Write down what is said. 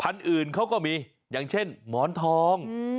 อื่นเขาก็มีอย่างเช่นหมอนทอง